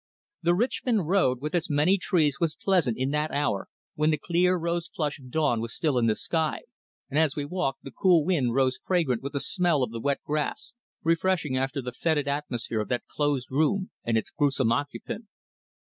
The Richmond Road with its many trees was pleasant in that hour when the clear rose flush of dawn was still in the sky, and as we walked the cool wind rose fragrant with the smell of the wet grass, refreshing after the foetid atmosphere of that closed room and its gruesome occupant.